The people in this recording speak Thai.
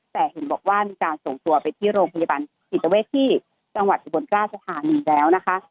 แต่เห็นบอกว่ามีการส่งตัวไปที่โรงพยาบาลจิตเวทที่จังหวัดอุบลราชธานีแล้วนะคะ